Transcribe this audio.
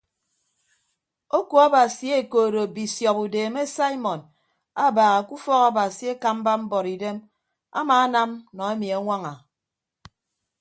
Oku abasi ekoodo bisiọp udeeme saimọn abaaha ke ufọk abasi ekamba mbuọtidem amaanam nọ emi añwaña.